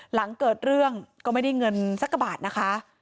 หลังเกิดเรื่องก็ไม่ได้เงินสักกระบาทนะคะ